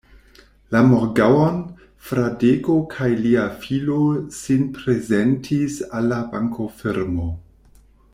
La morgaŭon, Fradeko kaj lia filo sin prezentis al la bankofirmo.